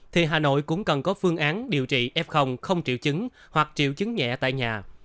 thì hà nội cũng cần có phương án điều trị f không triệu chứng hoặc triệu chứng nhẹ tại nhà